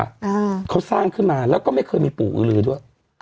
อ่าเขาสร้างขึ้นมาแล้วก็ไม่เคยมีปู่อื้อลือด้วย